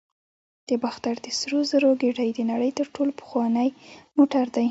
د باختر د سرو زرو ګېډۍ د نړۍ تر ټولو پخوانی موټر دی